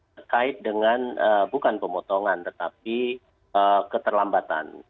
terkait dengan bukan pemotongan tetapi keterlambatan